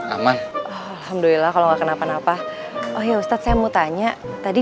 aman alhamdulillah kalau nggak kenapa napa oh ya ustaz nicotannya tadi